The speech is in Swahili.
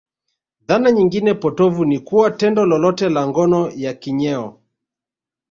Dhana nyingine potovu ni kuwa tendo lolote la ngono ya kinyeo